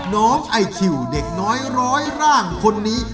น้องไอคิวเด็กน้อยร้อยร่างคนนี้